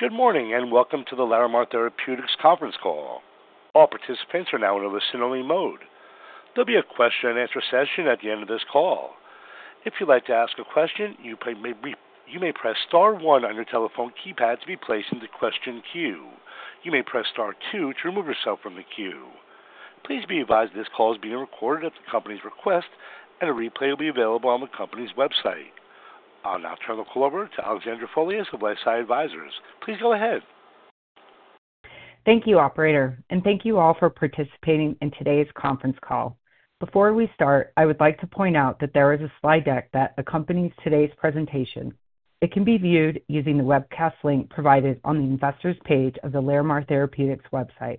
Good morning and welcome to the Larimar Therapeutics Conference Call. All participants are now in a listen-only mode. There'll be a question-and-answer session at the end of this call. If you'd like to ask a question, you may press star one on your telephone keypad to be placed in the question queue. You may press star two to remove yourself from the queue. Please be advised that this call is being recorded at the company's request, and a replay will be available on the company's website. I'll now turn the call over to Alexandra Folias of Westside Advisors. Please go ahead. Thank you, Operator, and thank you all for participating in today's conference call. Before we start, I would like to point out that there is a slide deck that accompanies today's presentation. It can be viewed using the webcast link provided on the investors' page of the Larimar Therapeutics website.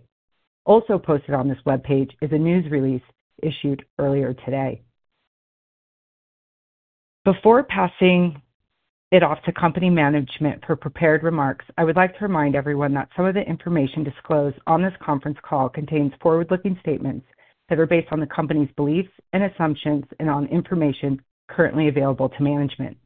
Also posted on this webpage is a news release issued earlier today. Before passing it off to company management for prepared remarks, I would like to remind everyone that some of the information disclosed on this conference call contains forward-looking statements that are based on the company's beliefs and assumptions and on information currently available to management.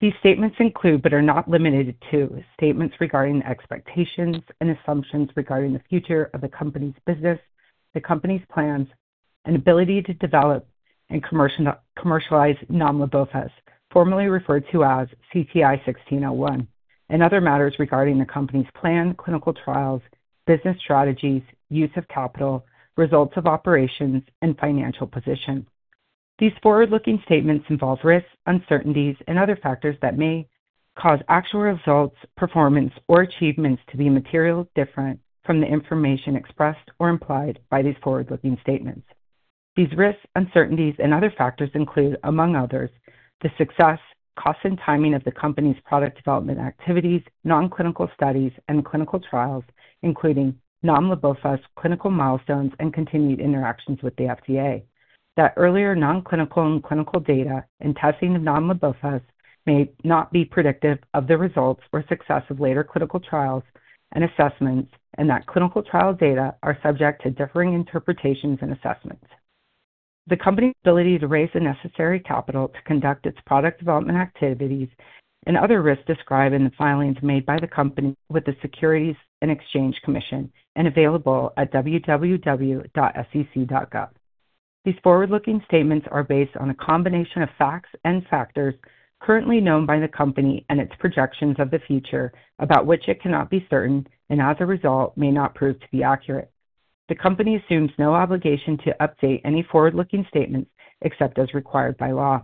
These statements include, but are not limited to, statements regarding expectations and assumptions regarding the future of the company's business, the company's plans, and ability to develop and commercialize Nomlabofusp, formerly referred to as CTI-1601, and other matters regarding the company's plan, clinical trials, business strategies, use of capital, results of operations, and financial position. These forward-looking statements involve risks, uncertainties, and other factors that may cause actual results, performance, or achievements to be materially different from the information expressed or implied by these forward-looking statements. These risks, uncertainties, and other factors include, among others, the success, cost, and timing of the company's product development activities, non-clinical studies, and clinical trials, including Nomlabofusp clinical milestones and continued interactions with the FDA, that earlier non-clinical and clinical data and testing of Nomlabofusp may not be predictive of the results or success of later clinical trials and assessments, and that clinical trial data are subject to differing interpretations and assessments. The company's ability to raise the necessary capital to conduct its product development activities and other risks described in the filings made by the company with the Securities and Exchange Commission and available at www.sec.gov. These forward-looking statements are based on a combination of facts and factors currently known by the company and its projections of the future, about which it cannot be certain and, as a result, may not prove to be accurate. The company assumes no obligation to update any forward-looking statements except as required by law.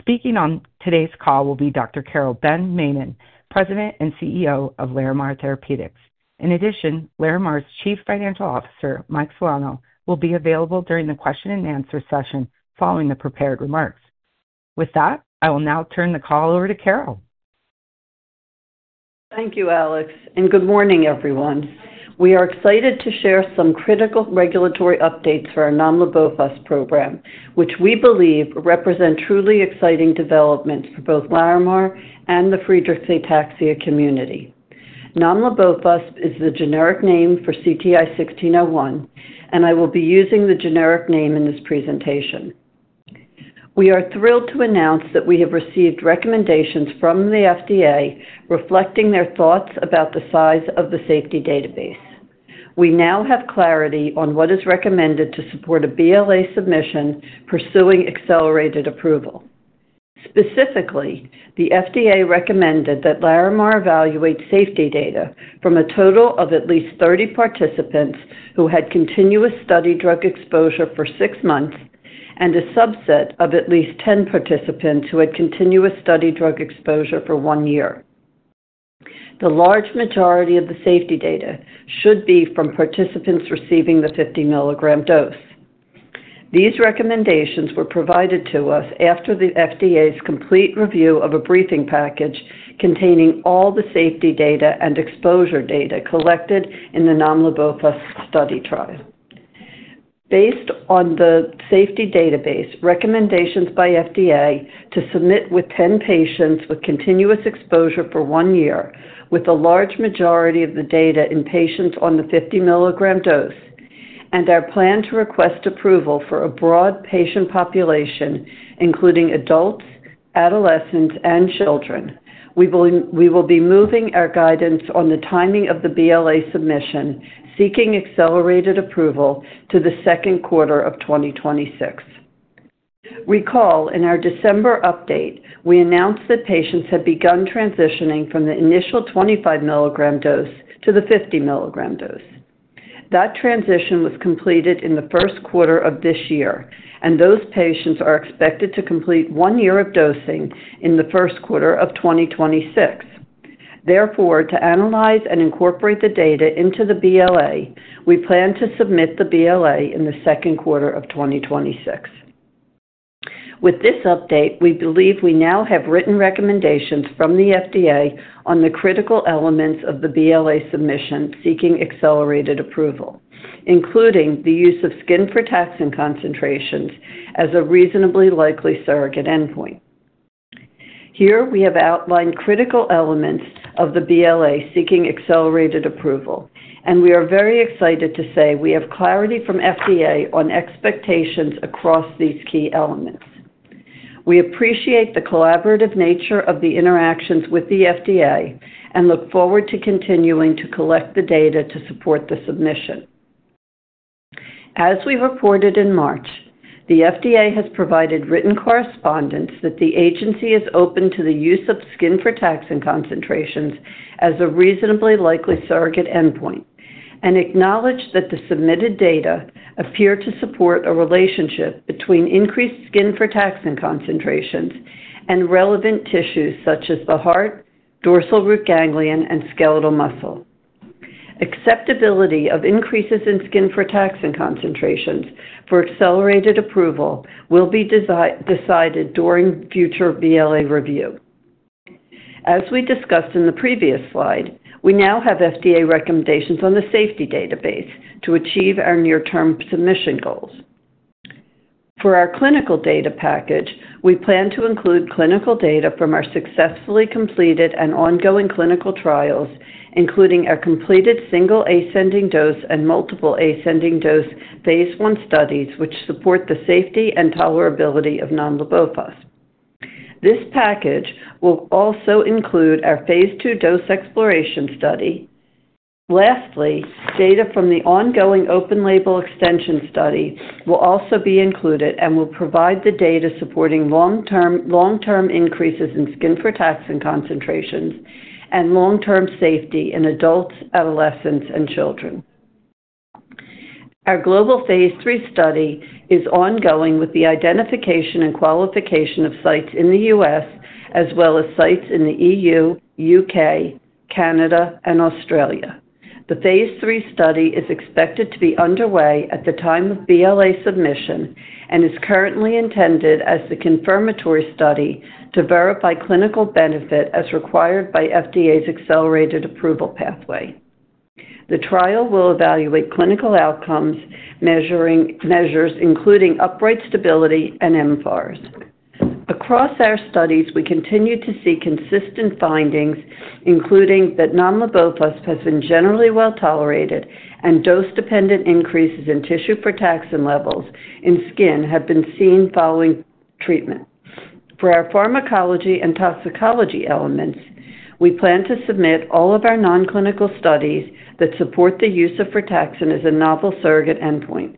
Speaking on today's call will be Dr. Carole Ben-Maimon, President and CEO of Larimar Therapeutics. In addition, Larimar's Chief Financial Officer, Mike Solano, will be available during the question-and-answer session following the prepared remarks. With that, I will now turn the call over to Carole. Thank you, Alex, and good morning, everyone. We are excited to share some critical regulatory updates for our Nomlabofusp program, which we believe represent truly exciting developments for both Larimar and the Friedreich's Ataxia community. Nomlabofusp is the generic name for CTI-1601, and I will be using the generic name in this presentation. We are thrilled to announce that we have received recommendations from the FDA reflecting their thoughts about the size of the safety database. We now have clarity on what is recommended to support a BLA submission pursuing accelerated approval. Specifically, the FDA recommended that Larimar evaluate safety data from a total of at least 30 participants who had continuous study drug exposure for six months and a subset of at least 10 participants who had continuous study drug exposure for one year. The large majority of the safety data should be from participants receiving the 50 mg dose. These recommendations were provided to us after the FDA's complete review of a briefing package containing all the safety data and exposure data collected in the Nomlabofusp study trial. Based on the safety database, recommendations by FDA to submit with 10 patients with continuous exposure for one year, with the large majority of the data in patients on the 50 mg dose, and our plan to request approval for a broad patient population, including adults, adolescents, and children. We will be moving our guidance on the timing of the BLA submission, seeking accelerated approval to the second quarter of 2026. Recall, in our December update, we announced that patients had begun transitioning from the initial 25 mg dose to the 50 mg dose. That transition was completed in the first quarter of this year, and those patients are expected to complete one year of dosing in the first quarter of 2026. Therefore, to analyze and incorporate the data into the BLA, we plan to submit the BLA in the second quarter of 2026. With this update, we believe we now have written recommendations from the FDA on the critical elements of the BLA submission seeking accelerated approval, including the use of skin frataxin concentrations as a reasonably likely surrogate endpoint. Here, we have outlined critical elements of the BLA seeking accelerated approval, and we are very excited to say we have clarity from FDA on expectations across these key elements. We appreciate the collaborative nature of the interactions with the FDA and look forward to continuing to collect the data to support the submission. As we reported in March, the FDA has provided written correspondence that the agency is open to the use of skin frataxin concentrations as a reasonably likely surrogate endpoint and acknowledged that the submitted data appear to support a relationship between increased skin frataxin concentrations and relevant tissues such as the heart, dorsal root ganglion, and skeletal muscle. Acceptability of increases in skin frataxin concentrations for accelerated approval will be decided during future BLA review. As we discussed in the previous slide, we now have FDA recommendations on the safety database to achieve our near-term submission goals. For our clinical data package, we plan to include clinical data from our successfully completed and ongoing clinical trials, including our completed single ascending dose and multiple ascending dose phase II studies, which support the safety and tolerability of Nomlabofusp. This package will also include our phase II dose exploration study. Lastly, data from the ongoing open-label extension study will also be included and will provide the data supporting long-term increases in skin frataxin concentrations and long-term safety in adults, adolescents, and children. Our global phase III study is ongoing with the identification and qualification of sites in the U.S., as well as sites in the EU, U.K., Canada, and Australia. The phase III study is expected to be underway at the time of BLA submission and is currently intended as the confirmatory study to verify clinical benefit as required by FDA's accelerated approval pathway. The trial will evaluate clinical outcomes measuring measures, including upright stability and MFARS. Across our studies, we continue to see consistent findings, including that Nomlabofusp has been generally well tolerated and dose-dependent increases in tissue frataxin levels in skin have been seen following treatment. For our pharmacology and toxicology elements, we plan to submit all of our non-clinical studies that support the use of frataxin as a novel surrogate endpoint,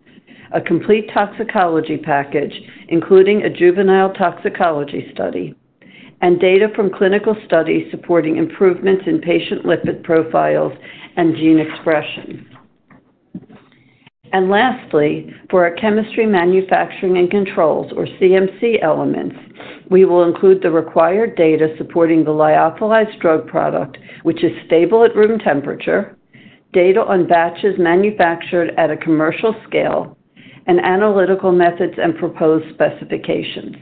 a complete toxicology package, including a juvenile toxicology study, and data from clinical studies supporting improvements in patient lipid profiles and gene expression. Lastly, for our chemistry, manufacturing, and controls, or CMC elements, we will include the required data supporting the lyophilized drug product, which is stable at room temperature, data on batches manufactured at a commercial scale, and analytical methods and proposed specifications.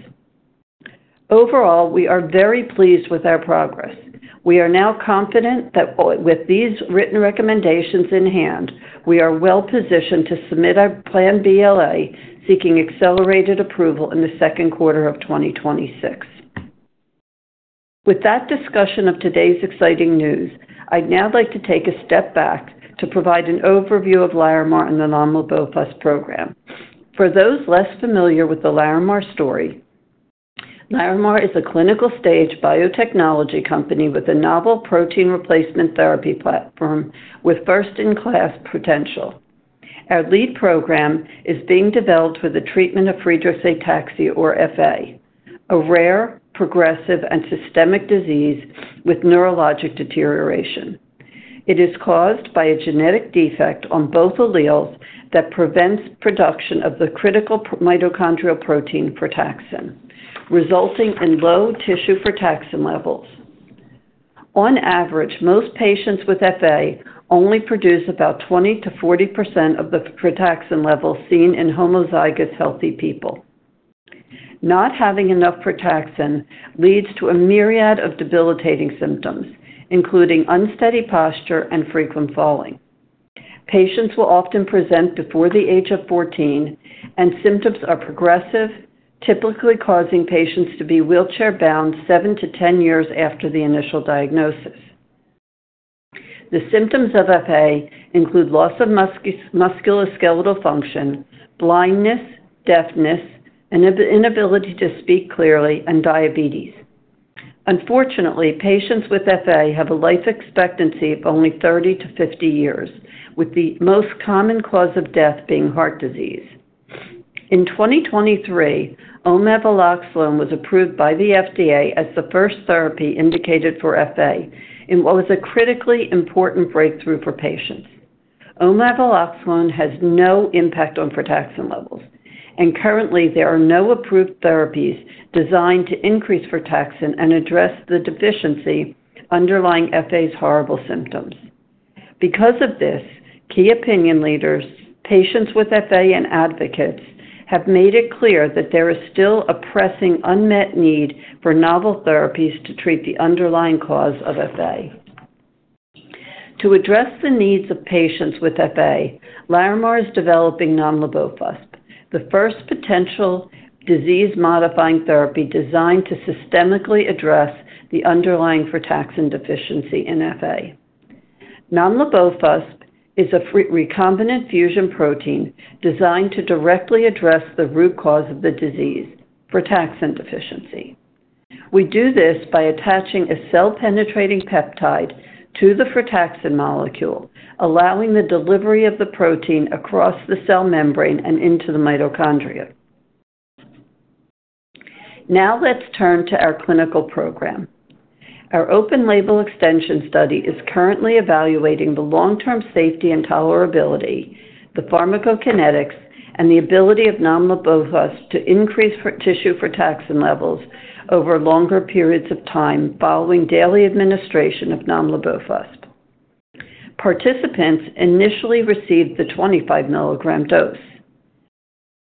Overall, we are very pleased with our progress. We are now confident that with these written recommendations in hand, we are well positioned to submit our planned BLA seeking accelerated approval in the second quarter of 2026. With that discussion of today's exciting news, I'd now like to take a step back to provide an overview of Larimar and the Nomlabofusp program. For those less familiar with the Larimar story, Larimar is a clinical-stage biotechnology company with a novel protein replacement therapy platform with first-in-class potential. Our lead program is being developed for the treatment of Friedreich's Ataxia, or FA, a rare, progressive, and systemic disease with neurologic deterioration. It is caused by a genetic defect on both alleles that prevents production of the critical mitochondrial protein frataxin, resulting in low tissue frataxin levels. On average, most patients with FA only produce about 20%-40% of the frataxin levels seen in homozygous healthy people. Not having enough frataxin leads to a myriad of debilitating symptoms, including unsteady posture and frequent falling. Patients will often present before the age of 14, and symptoms are progressive, typically causing patients to be wheelchair-bound 7-10 years after the initial diagnosis. The symptoms of FA include loss of musculoskeletal function, blindness, deafness, an inability to speak clearly, and diabetes. Unfortunately, patients with FA have a life expectancy of only 30-50 years, with the most common cause of death being heart disease. In 2023, omaveloxolone was approved by the FDA as the first therapy indicated for FA, and it was a critically important breakthrough for patients. Omaveloxolone has no impact on frataxin levels, and currently, there are no approved therapies designed to increase frataxin and address the deficiency underlying FA's horrible symptoms. Because of this, key opinion leaders, patients with FA, and advocates have made it clear that there is still a pressing unmet need for novel therapies to treat the underlying cause of FA. To address the needs of patients with FA, Larimar is developing Nomlabofusp, the first potential disease-modifying therapy designed to systemically address the underlying frataxin deficiency in FA. Nomlabofusp is a recombinant fusion protein designed to directly address the root cause of the disease, frataxin deficiency. We do this by attaching a cell-penetrating peptide to the frataxin molecule, allowing the delivery of the protein across the cell membrane and into the mitochondria. Now let's turn to our clinical program. Our open-label extension study is currently evaluating the long-term safety and tolerability, the pharmacokinetics, and the ability of Nomlabofusp to increase tissue frataxin levels over longer periods of time following daily administration of Nomlabofusp. Participants initially received the 25 mg dose.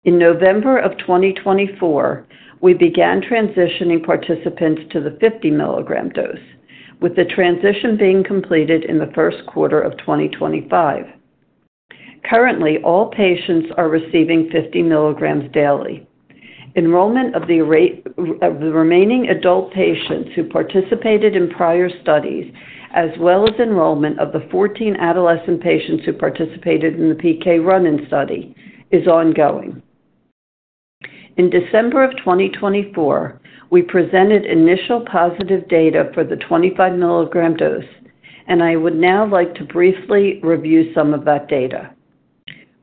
In November of 2024, we began transitioning participants to the 50 mg dose, with the transition being completed in the first quarter of 2025. Currently, all patients are receiving 50 mg daily. Enrollment of the remaining adult patients who participated in prior studies, as well as enrollment of the 14 adolescent patients who participated in the PK run-in study, is ongoing. In December of 2024, we presented initial positive data for the 25 mg dose, and I would now like to briefly review some of that data.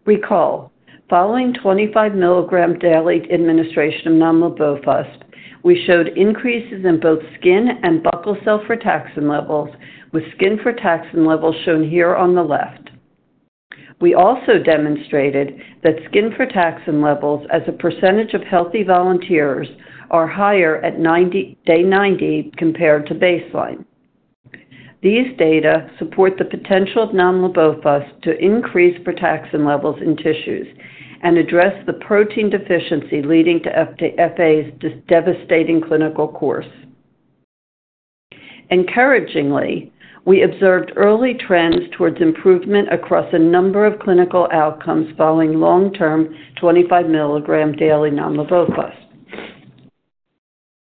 Recall, following 25 mg daily administration of Nomlabofusp, we showed increases in both skin and buccal cell frataxin levels, with skin frataxin levels shown here on the left. We also demonstrated that skin frataxin levels as a percentage of healthy volunteers are higher at day 90 compared to baseline. These data support the potential of Nomlabofusp to increase frataxin levels in tissues and address the protein deficiency leading to FA's devastating clinical course. Encouragingly, we observed early trends towards improvement across a number of clinical outcomes following long-term 25 mg daily Nomlabofusp.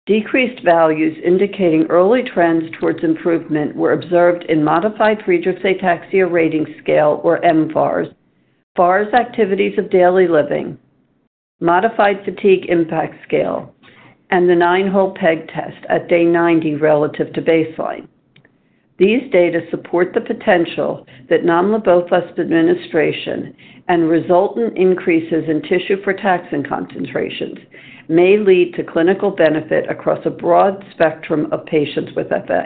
Decreased values indicating early trends towards improvement were observed in modified Friedreich's Ataxia Rating Scale, or MFARS, MFARS activities of daily living, modified fatigue impact scale, and the nine-hole peg test at day 90 relative to baseline. These data support the potential that Nomlabofusp administration and resultant increases in tissue frataxin concentrations may lead to clinical benefit across a broad spectrum of patients with FA.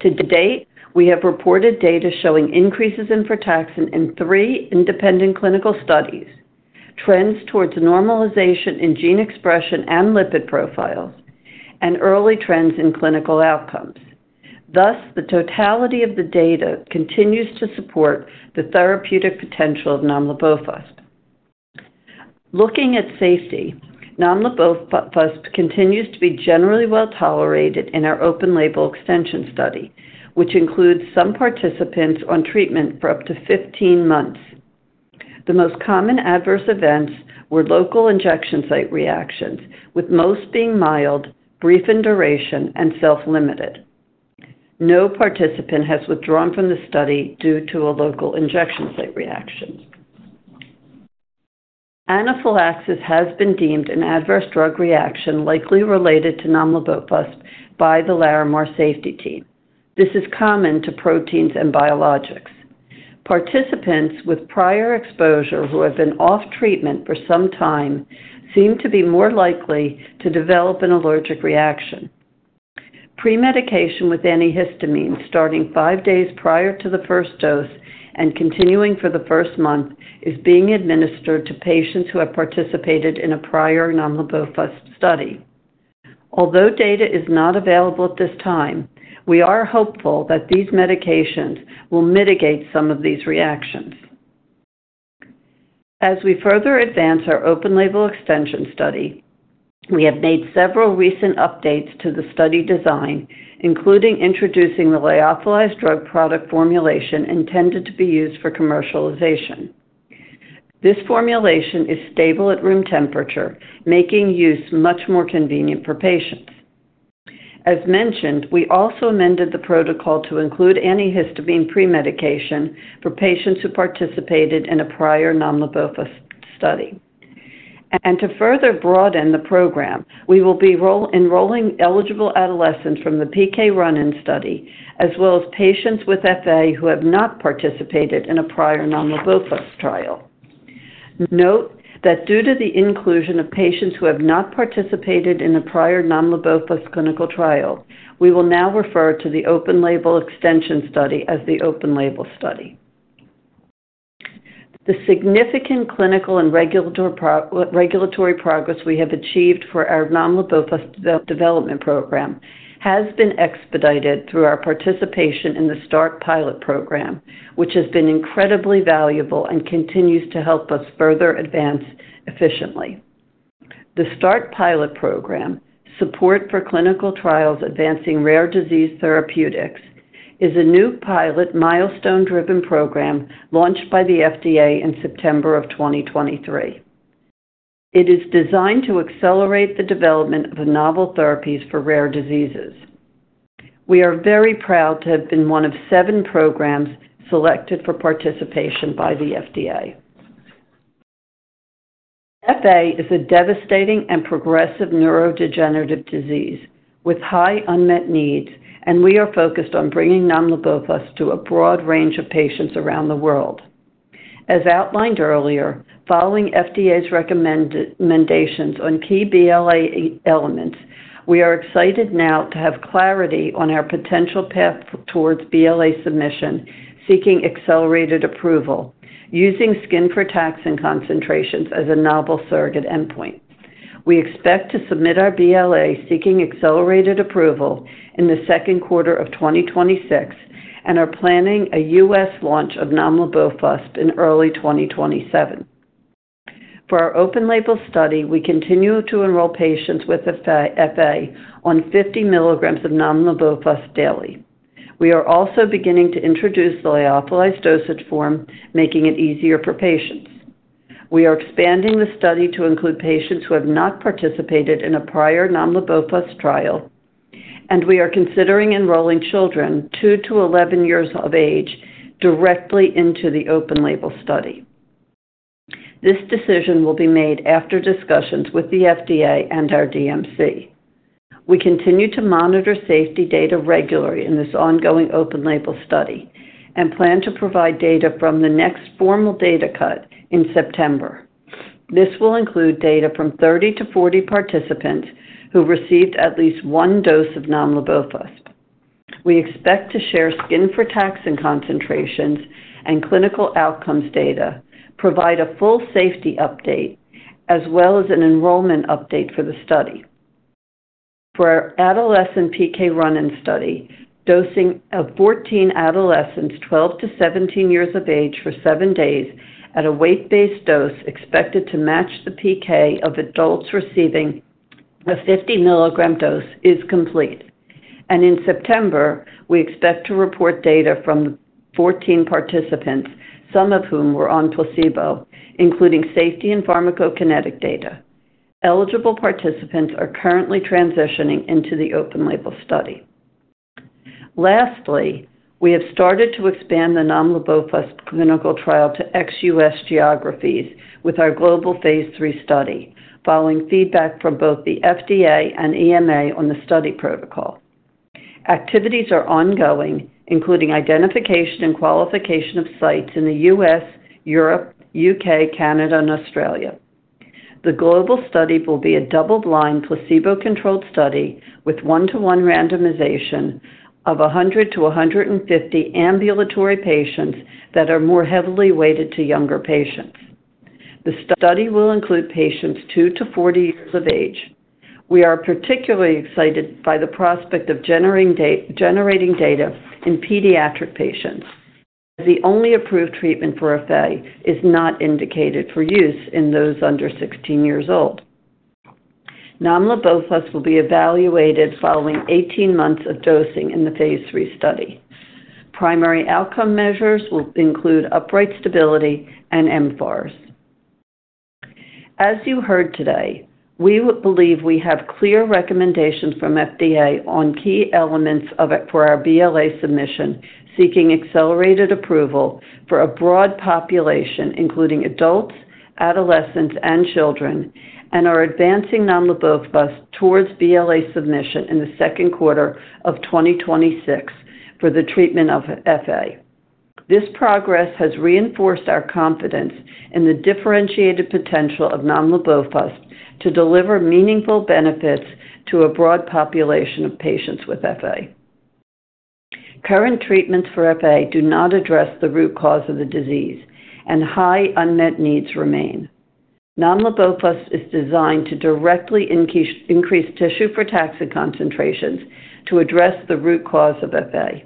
To date, we have reported data showing increases in frataxin in three independent clinical studies, trends towards normalization in gene expression and lipid profiles, and early trends in clinical outcomes. Thus, the totality of the data continues to support the therapeutic potential of Nomlabofusp. Looking at safety, Nomlabofusp continues to be generally well tolerated in our open-label extension study, which includes some participants on treatment for up to 15 months. The most common adverse events were local injection site reactions, with most being mild, brief in duration, and self-limited. No participant has withdrawn from the study due to a local injection site reaction. Anaphylaxis has been deemed an adverse drug reaction likely related to Nomlabofusp by the Larimar safety team. This is common to proteins and biologics. Participants with prior exposure who have been off treatment for some time seem to be more likely to develop an allergic reaction. Premedication with antihistamines starting five days prior to the first dose and continuing for the first month is being administered to patients who have participated in a prior Nomlabofusp study. Although data is not available at this time, we are hopeful that these medications will mitigate some of these reactions. As we further advance our open-label extension study, we have made several recent updates to the study design, including introducing the lyophilized drug product formulation intended to be used for commercialization. This formulation is stable at room temperature, making use much more convenient for patients. As mentioned, we also amended the protocol to include antihistamine premedication for patients who participated in a prior Nomlabofusp study. To further broaden the program, we will be enrolling eligible adolescents from the PK run-in study, as well as patients with FA who have not participated in a prior Nomlabofusp trial. Note that due to the inclusion of patients who have not participated in a prior Nomlabofusp clinical trial, we will now refer to the open-label extension study as the open-label study. The significant clinical and regulatory progress we have achieved for our Nomlabofusp development program has been expedited through our participation in the START pilot program, which has been incredibly valuable and continues to help us further advance efficiently. The START pilot program, Support for Clinical Trials Advancing Rare Disease Therapeutics, is a new pilot milestone-driven program launched by the FDA in September of 2023. It is designed to accelerate the development of novel therapies for rare diseases. We are very proud to have been one of seven programs selected for participation by the FDA. FA is a devastating and progressive neurodegenerative disease with high unmet needs, and we are focused on bringing Nomlabofusp to a broad range of patients around the world. As outlined earlier, following FDA's recommendations on key BLA elements, we are excited now to have clarity on our potential path towards BLA submission seeking accelerated approval using skin frataxin concentrations as a novel surrogate endpoint. We expect to submit our BLA seeking accelerated approval in the second quarter of 2026 and are planning a U.S. launch of Nomlabofusp in early 2027. For our open-label study, we continue to enroll patients with FA on 50 mg of Nomlabofusp daily. We are also beginning to introduce the lyophilized dosage form, making it easier for patients. We are expanding the study to include patients who have not participated in a prior Nomlabofusp trial, and we are considering enrolling children two to eleven years of age directly into the open-label study. This decision will be made after discussions with the FDA and our DMC. We continue to monitor safety data regularly in this ongoing open-label study and plan to provide data from the next formal data cut in September. This will include data from 30-40 participants who received at least one dose of Nomlabofusp. We expect to share skin frataxin concentrations and clinical outcomes data, provide a full safety update, as well as an enrollment update for the study. For our adolescent PK run-in study, dosing of 14 adolescents, 12 - 17 years of age, for seven days at a weight-based dose expected to match the PK of adults receiving the 50 mg dose is complete. In September, we expect to report data from the 14 participants, some of whom were on placebo, including safety and pharmacokinetic data. Eligible participants are currently transitioning into the open-label study. Lastly, we have started to expand the Nomlabofusp clinical trial to ex-U.S. geographies with our global phase III study, following feedback from both the FDA and EMA on the study protocol. Activities are ongoing, including identification and qualification of sites in the U.S., Europe, U.K., Canada, and Australia. The global study will be a double-blind placebo-controlled study with one-to-one randomization of 100-150 ambulatory patients that are more heavily weighted to younger patients. The study will include patients two to 40 years of age. We are particularly excited by the prospect of generating data in pediatric patients, as the only approved treatment for FA is not indicated for use in those under 16 years old. Nomlabofusp will be evaluated following 18 months of dosing in the phase III study. Primary outcome measures will include upright stability and MFARS. As you heard today, we believe we have clear recommendations from FDA on key elements for our BLA submission seeking accelerated approval for a broad population, including adults, adolescents, and children, and are advancing Nomlabofusp towards BLA submission in the second quarter of 2026 for the treatment of FA. This progress has reinforced our confidence in the differentiated potential of Nomlabofusp to deliver meaningful benefits to a broad population of patients with FA. Current treatments for FA do not address the root cause of the disease, and high unmet needs remain. Nomlabofusp is designed to directly increase tissue frataxin concentrations to address the root cause of FA.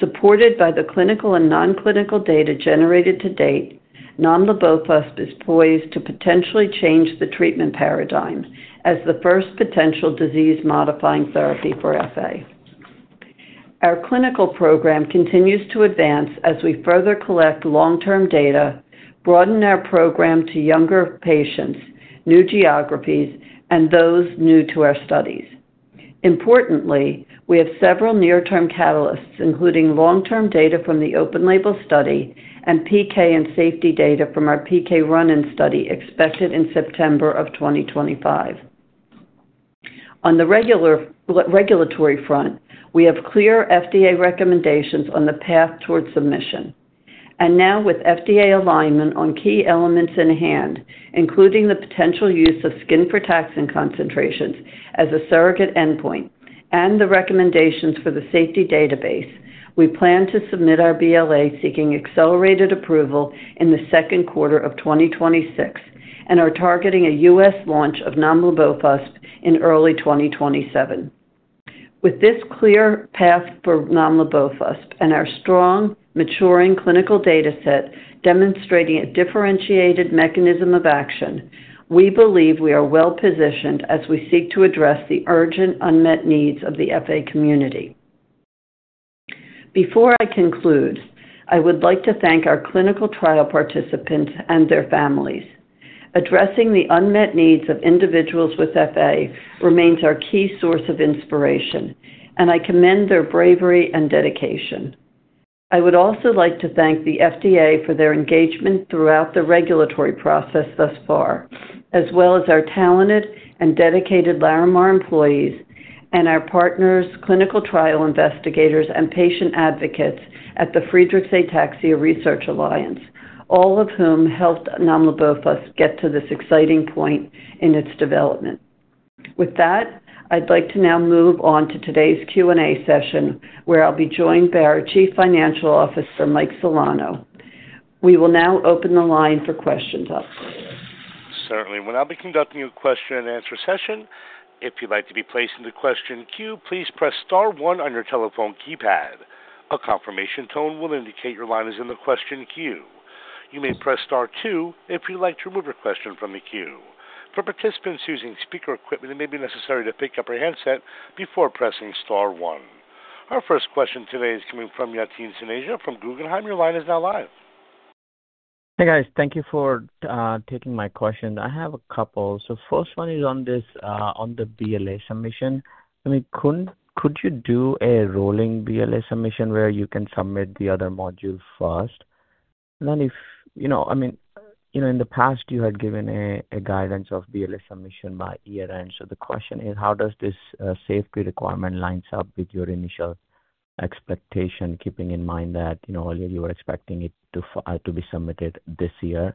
Supported by the clinical and non-clinical data generated to date, Nomlabofusp is poised to potentially change the treatment paradigm as the first potential disease-modifying therapy for FA. Our clinical program continues to advance as we further collect long-term data, broaden our program to younger patients, new geographies, and those new to our studies. Importantly, we have several near-term catalysts, including long-term data from the open-label study and PK and safety data from our PK run-in study expected in September of 2025. On the regulatory front, we have clear FDA recommendations on the path towards submission. Now, with FDA alignment on key elements in hand, including the potential use of skin frataxin concentrations as a surrogate endpoint and the recommendations for the safety database, we plan to submit our BLA seeking accelerated approval in the second quarter of 2026 and are targeting a U.S. launch of Nomlabofusp in early 2027. With this clear path for Nomlabofusp and our strong, maturing clinical dataset demonstrating a differentiated mechanism of action, we believe we are well positioned as we seek to address the urgent unmet needs of the FA community. Before I conclude, I would like to thank our clinical trial participants and their families. Addressing the unmet needs of individuals with FA remains our key source of inspiration, and I commend their bravery and dedication. I would also like to thank the FDA for their engagement throughout the regulatory process thus far, as well as our talented and dedicated Larimar employees and our partners, clinical trial investigators, and patient advocates at the Friedreich’s Ataxia Research Alliance, all of whom helped Nomlabofusp get to this exciting point in its development. With that, I'd like to now move on to today's Q&A session, where I'll be joined by our Chief Financial Officer, Mike Solano. We will now open the line for questions. Certainly. When I'll be conducting a question-and-answer session, if you'd like to be placed in the question queue, please press star one on your telephone keypad. A confirmation tone will indicate your line is in the question queue. You may press star two if you'd like to remove your question from the queue. For participants using speaker equipment, it may be necessary to pick up your handset before pressing star one. Our first question today is coming from Yatine Sanejo from Guggenheim. Your line is now live. Hey, guys. Thank you for taking my question. I have a couple. First one is on this on the BLA submission. I mean, could you do a rolling BLA submission where you can submit the other modules first? And then if, you know, I mean, you know, in the past, you had given a guidance of BLA submission by year-end. The question is, how does this safety requirement line up with your initial expectation, keeping in mind that, you know, earlier you were expecting it to be submitted this year?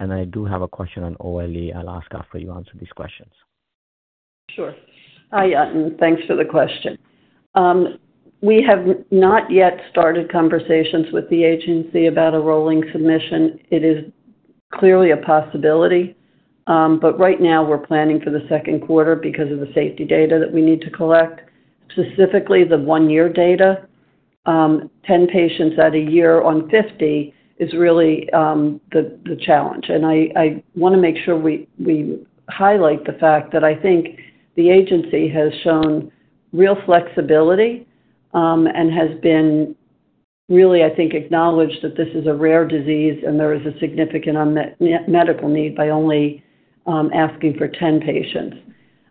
I do have a question on OLE. I'll ask after you answer these questions. Sure. Hi, Yatin. Thanks for the question. We have not yet started conversations with the agency about a rolling submission. It is clearly a possibility. Right now, we're planning for the second quarter because of the safety data that we need to collect, specifically the one-year data. Ten patients out of a year on 50 is really the challenge. I want to make sure we highlight the fact that I think the agency has shown real flexibility and has been really, I think, acknowledged that this is a rare disease and there is a significant unmet medical need by only asking for ten patients.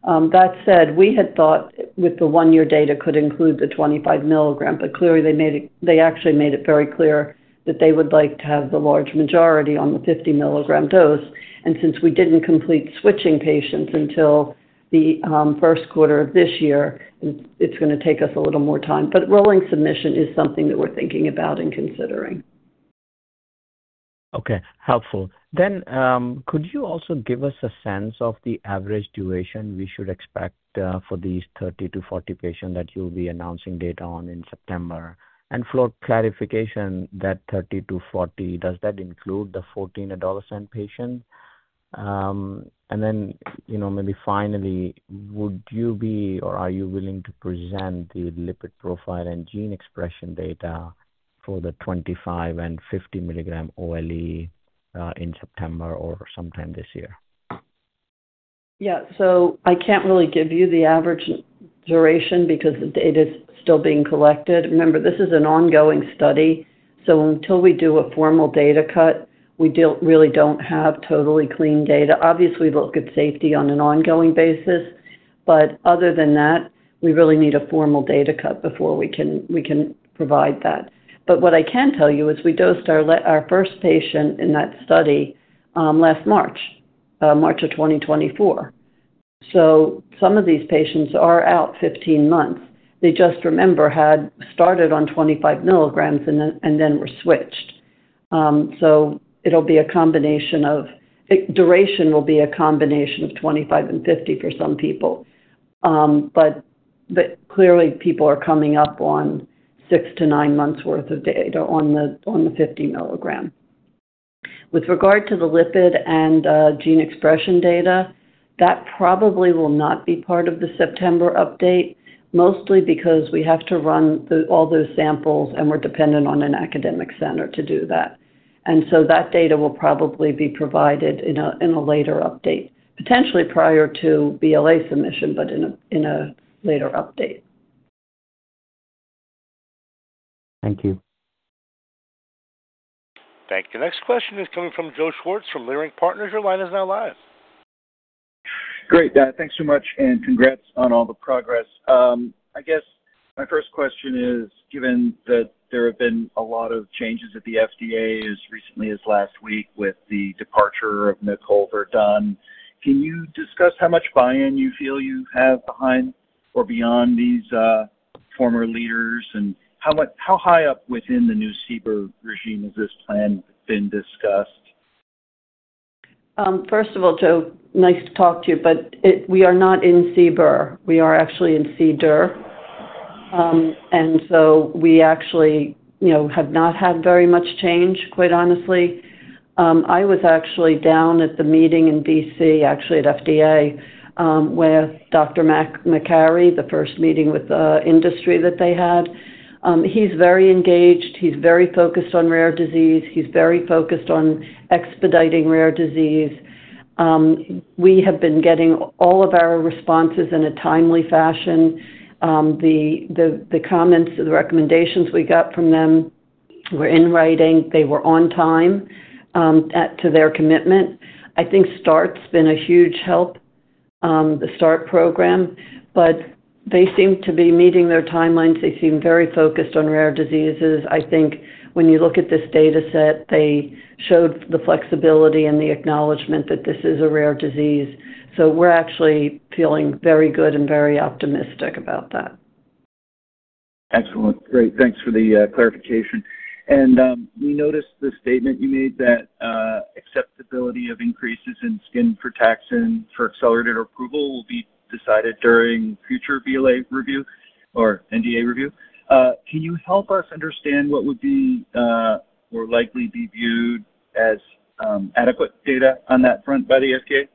That said, we had thought the one-year data could include the 25 mg, but clearly they made it very clear that they would like to have the large majority on the 50 mg dose. Since we did not complete switching patients until the first quarter of this year, it is going to take us a little more time. Rolling submission is something that we are thinking about and considering. Okay. Helpful. Could you also give us a sense of the average duration we should expect for these 30-40 patients that you will be announcing data on in September? For clarification, that 30-40, does that include the 14 adolescent patients? Maybe finally, would you be or are you willing to present the lipid profile and gene expression data for the 25 and 50 mg OLE in September or sometime this year? Yeah. I cannot really give you the average duration because the data is still being collected. Remember, this is an ongoing study. Until we do a formal data cut, we really do not have totally clean data. Obviously, we look at safety on an ongoing basis. Other than that, we really need a formal data cut before we can provide that. What I can tell you is we dosed our first patient in that study last March, March of 2024. Some of these patients are out 15 months. They just, remember, had started on 25 mg and then were switched. It will be a combination of duration, will be a combination of 25 and 50 for some people. Clearly, people are coming up on six to nine months' worth of data on the 50 mg. With regard to the lipid and gene expression data, that probably will not be part of the September update, mostly because we have to run all those samples and we're dependent on an academic center to do that. That data will probably be provided in a later update, potentially prior to BLA submission, but in a later update. Thank you. Thank you. Next question is coming from Joe Schwartz from Lyric Partners. Your line is now live. Great. Thanks so much and congrats on all the progress. I guess my first question is, given that there have been a lot of changes at the FDA as recently as last week with the departure of Mick Colverton, can you discuss how much buy-in you feel you have behind or beyond these former leaders and how high up within the new CBER regime has this plan been discussed? First of all, Joe, nice to talk to you, but we are not in CBER. We are actually in CDER. And so we actually, you know, have not had very much change, quite honestly. I was actually down at the meeting in Washington, D.C., actually at FDA, with Dr. McCarry, the first meeting with the industry that they had. He's very engaged. He's very focused on rare disease. He's very focused on expediting rare disease. We have been getting all of our responses in a timely fashion. The comments, the recommendations we got from them were in writing. They were on time to their commitment. I think START's been a huge help, the START program. They seem to be meeting their timelines. They seem very focused on rare diseases. I think when you look at this dataset, they showed the flexibility and the acknowledgment that this is a rare disease. We're actually feeling very good and very optimistic about that. Excellent. Great. Thanks for the clarification. We noticed the statement you made that acceptability of increases in skin frataxin for accelerated approval will be decided during future BLA review or NDA review. Can you help us understand what would be or likely be viewed as adequate data on that front by the FDA?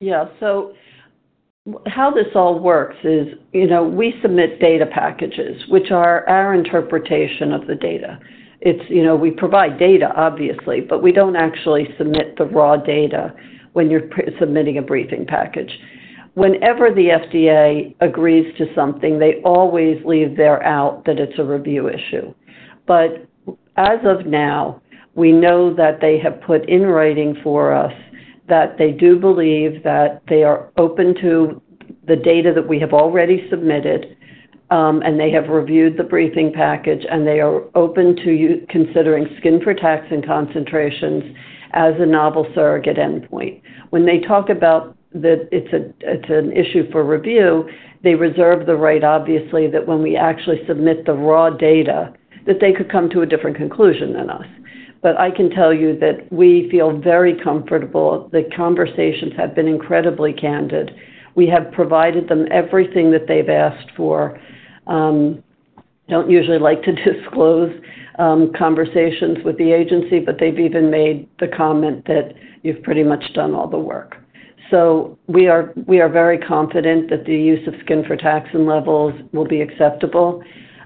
Yeah. How this all works is, you know, we submit data packages, which are our interpretation of the data. It's, you know, we provide data, obviously, but we don't actually submit the raw data when you're submitting a briefing package. Whenever the FDA agrees to something, they always leave their out that it's a review issue. As of now, we know that they have put in writing for us that they do believe that they are open to the data that we have already submitted, and they have reviewed the briefing package, and they are open to considering skin frataxin concentrations as a novel surrogate endpoint. When they talk about that, it's an issue for review, they reserve the right, obviously, that when we actually submit the raw data, they could come to a different conclusion than us. I can tell you that we feel very comfortable. The conversations have been incredibly candid. We have provided them everything that they've asked for. I don't usually like to disclose conversations with the agency, but they've even made the comment that you've pretty much done all the work. We are very confident that the use of skin frataxin levels will be acceptable.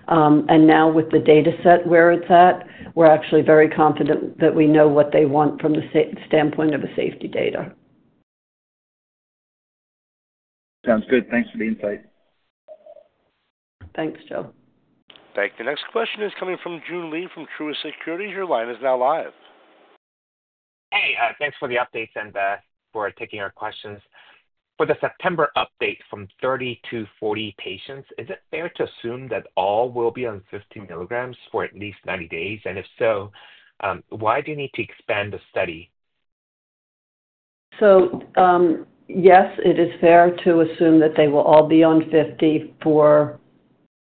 Now with the dataset where it's at, we're actually very confident that we know what they want from the standpoint of the safety data. Sounds good. Thanks for the insight. Thanks, Joe. Thank you. Next question is coming from Joon Lee from Truist Securities. Your line is now live. Hey, thanks for the updates and for taking our questions. For the September update from 30-40 patients, is it fair to assume that all will be on 50 mg for at least 90 days? And if so, why do you need to expand the study? Yes, it is fair to assume that they will all be on 50 for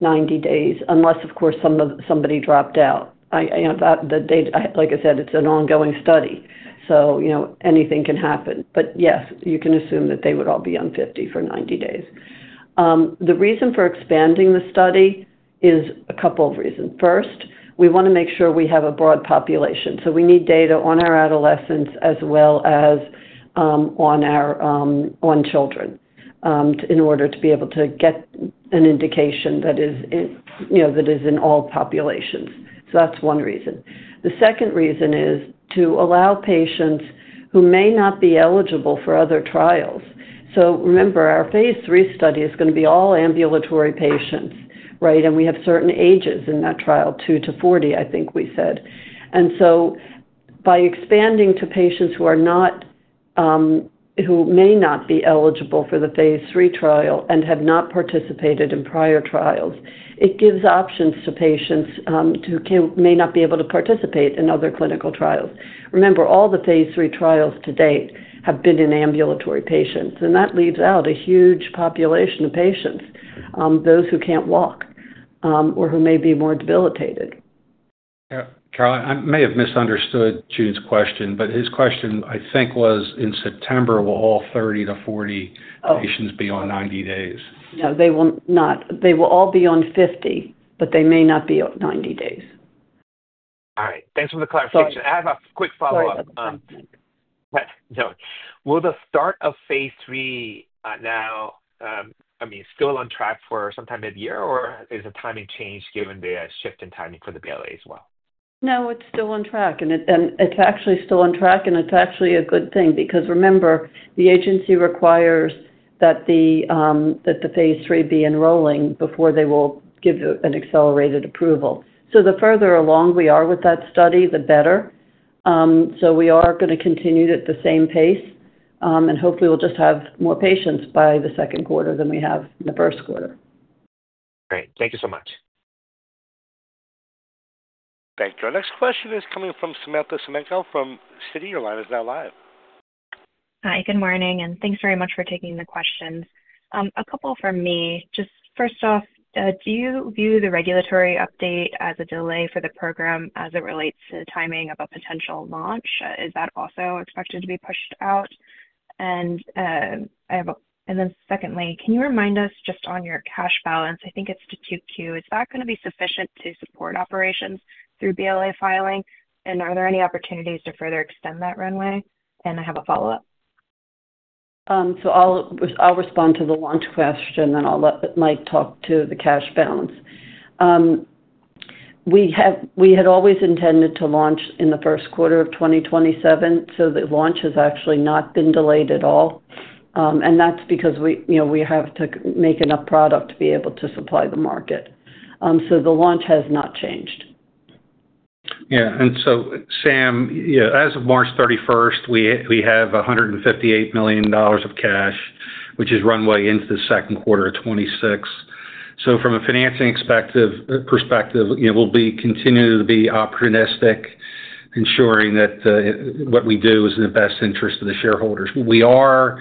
90 days, unless, of course, somebody dropped out. The data, like I said, it's an ongoing study. You know, anything can happen. Yes, you can assume that they would all be on 50 for 90 days. The reason for expanding the study is a couple of reasons. First, we want to make sure we have a broad population. You know, we need data on our adolescents as well as on our children in order to be able to get an indication that is, you know, that is in all populations. That is one reason. The second reason is to allow patients who may not be eligible for other trials. Remember, our phase III study is going to be all ambulatory patients, right? We have certain ages in that trial, 2-40, I think we said. By expanding to patients who may not be eligible for the phase III trial and have not participated in prior trials, it gives options to patients who may not be able to participate in other clinical trials. Remember, all the phase III trials to date have been in ambulatory patients. That leaves out a huge population of patients, those who can't walk or who may be more debilitated. Carole, I may have misunderstood Jens' question, but his question, I think, was in September, will all 30-40 patients be on 90 days? No, they will not. They will all be on 50, but they may not be on 90 days. All right. Thanks for the clarification. I have a quick follow-up. No, will the start of phase III now, I mean, still on track for sometime mid-year, or is the timing changed given the shift in timing for the BLA as well? No, it's still on track. It's actually still on track, and it's actually a good thing because remember, the agency requires that the phase III be enrolling before they will give an accelerated approval. The further along we are with that study, the better. We are going to continue at the same pace, and hopefully we'll just have more patients by the second quarter than we have in the first quarter. Great. Thank you so much. Thank you. Our next question is coming from Samantha Semenkow from Citi. Your line is now live. Hi, good morning, and thanks very much for taking the questions. A couple from me. Just first off, do you view the regulatory update as a delay for the program as it relates to the timing of a potential launch? Is that also expected to be pushed out? And then secondly, can you remind us just on your cash balance? I think it's to Q2. Is that going to be sufficient to support operations through BLA filing? And are there any opportunities to further extend that runway? I have a follow-up. I'll respond to the launch question, and I'll let Mike talk to the cash balance. We had always intended to launch in the first quarter of 2027, so the launch has actually not been delayed at all. That is because we, you know, we have to make enough product to be able to supply the market. The launch has not changed. Yeah. Sam, as of March 31, we have $158 million of cash, which is runway into the second quarter of 2026. From a financing perspective, you know, we'll be continuing to be opportunistic, ensuring that what we do is in the best interest of the shareholders. We are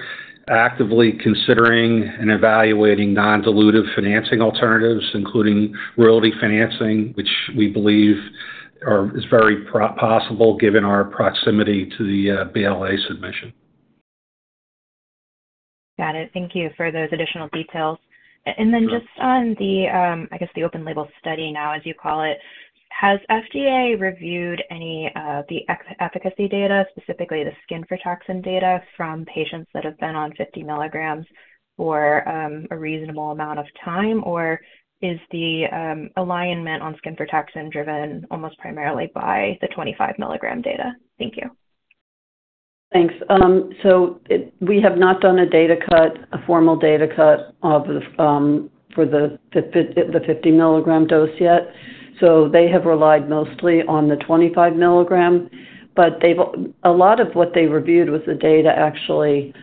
actively considering and evaluating non-dilutive financing alternatives, including royalty financing, which we believe is very possible given our proximity to the BLA submission. Got it. Thank you for those additional details. Just on the, I guess, the open-label study now, as you call it, has FDA reviewed any of the efficacy data, specifically the skin frataxin data from patients that have been on 50 mg for a reasonable amount of time, or is the alignment on skin frataxin driven almost primarily by the 25 mg data? Thank you. Thanks. We have not done a data cut, a formal data cut for the 50 mg dose yet. They have relied mostly on the 25 mg. A lot of what they reviewed was the data actually.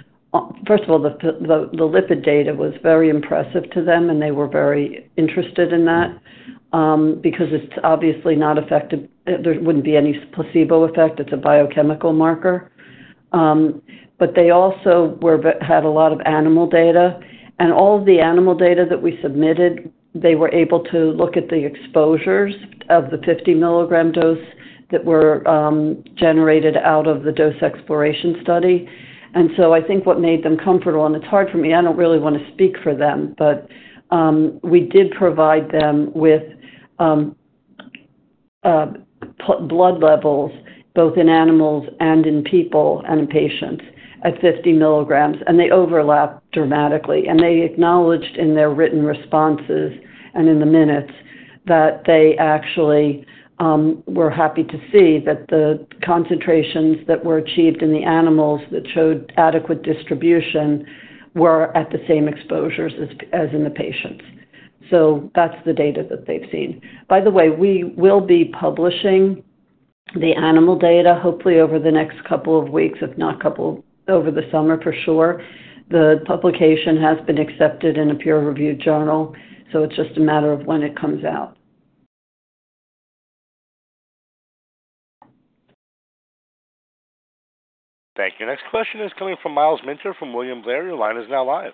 First of all, the lipid data was very impressive to them, and they were very interested in that because it's obviously not effective. There wouldn't be any placebo effect. It's a biochemical marker. They also had a lot of animal data. All of the animal data that we submitted, they were able to look at the exposures of the 50 mg dose that were generated out of the dose exploration study. I think what made them comfortable, and it's hard for me, I don't really want to speak for them, but we did provide them with blood levels both in animals and in people and in patients at 50 mg. They overlap dramatically. They acknowledged in their written responses and in the minutes that they actually were happy to see that the concentrations that were achieved in the animals that showed adequate distribution were at the same exposures as in the patients. That is the data that they have seen. By the way, we will be publishing the animal data, hopefully over the next couple of weeks, if not a couple over the summer for sure. The publication has been accepted in a peer-reviewed journal, so it is just a matter of when it comes out. Thank you. Next question is coming from Miles Minter from Williams Leary. Your line is now live.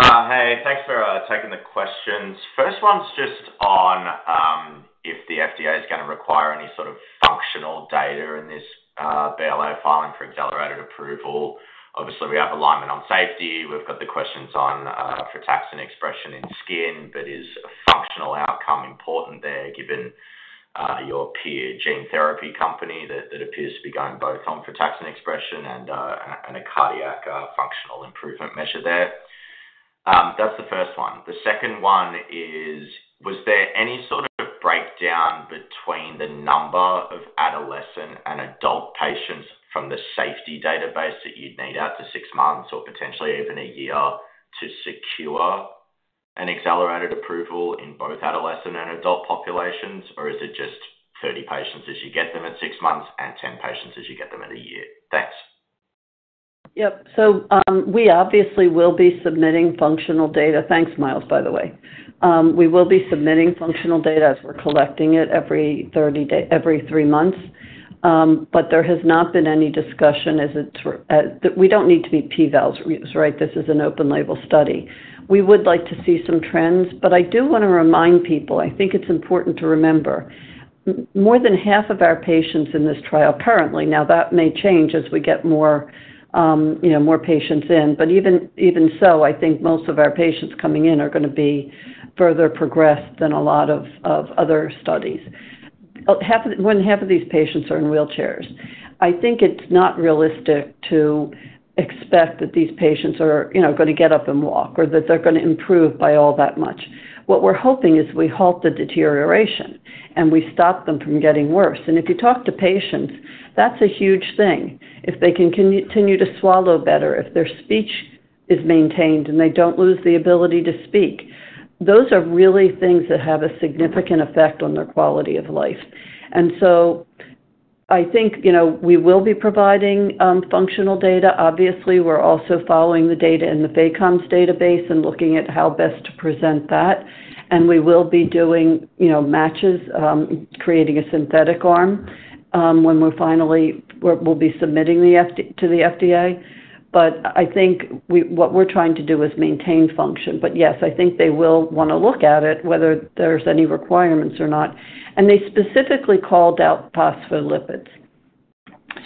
Hi. Thanks for taking the questions. First one is just on if the FDA is going to require any sort of functional data in this BLA filing for accelerated approval. Obviously, we have alignment on safety. We've got the questions on frataxin expression in skin, but is a functional outcome important there given your peer gene therapy company that appears to be going both on Frataxin expression and a cardiac functional improvement measure there? That's the first one. The second one is, was there any sort of breakdown between the number of adolescent and adult patients from the safety database that you'd need out to six months or potentially even a year to secure an accelerated approval in both adolescent and adult populations, or is it just 30 patients as you get them at six months and 10 patients as you get them at a year? Thanks. Yep. So we obviously will be submitting functional data. Thanks, Miles, by the way. We will be submitting functional data as we're collecting it every 30 days, every three months. There has not been any discussion as it's we don't need to be P vals, right? This is an open-label study. We would like to see some trends, but I do want to remind people, I think it's important to remember, more than half of our patients in this trial currently, now that may change as we get more, you know, more patients in, but even so, I think most of our patients coming in are going to be further progressed than a lot of other studies. When half of these patients are in wheelchairs, I think it's not realistic to expect that these patients are, you know, going to get up and walk or that they're going to improve by all that much. What we're hoping is we halt the deterioration and we stop them from getting worse. If you talk to patients, that's a huge thing. If they can continue to swallow better, if their speech is maintained and they don't lose the ability to speak, those are really things that have a significant effect on their quality of life. I think, you know, we will be providing functional data. Obviously, we're also following the data in the Vacom's database and looking at how best to present that. We will be doing, you know, matches, creating a synthetic arm when we're finally, we'll be submitting to the FDA. I think what we're trying to do is maintain function. Yes, I think they will want to look at it, whether there's any requirements or not. They specifically called out Phospholipids.